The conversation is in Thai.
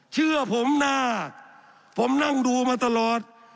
เชื่อผมหน้าผมนั่งดูมาตลอด